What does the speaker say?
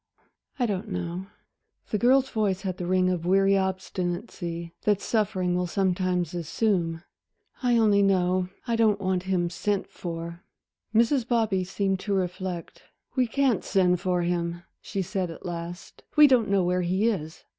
"I don't know." The girl's voice had the ring of weary obstinacy that suffering will sometimes assume. "I only know I don't want him sent for." Mrs. Bobby seemed to reflect. "We can't send for him," she said at last, "we don't know where he is."